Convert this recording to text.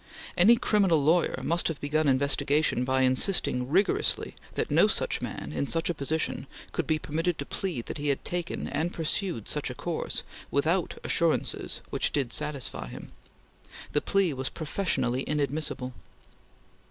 Any criminal lawyer must have begun investigation by insisting, rigorously, that no such man, in such a position, could be permitted to plead that he had taken, and pursued, such a course, without assurances which did satisfy him. The plea was professionally inadmissible.